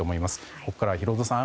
ここからはヒロドさん